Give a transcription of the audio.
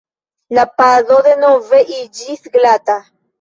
La pado denove iĝis glata.